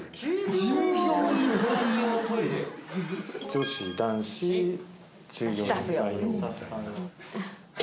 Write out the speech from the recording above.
女子男子従業員さん用。